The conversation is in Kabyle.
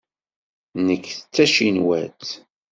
Nekk d tacinwatt.